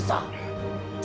nanda prabu sulawesi